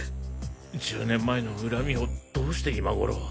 １０年前の恨みをどうして今頃。